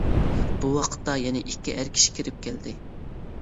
بۇ ۋاقىتتا يەنە ئىككى ئەر كىشى كىرىپ كەلدى.